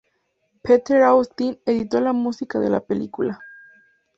Peter Austin editó la música de la película.